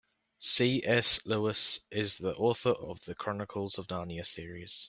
C.S. Lewis is the author of The Chronicles of Narnia series.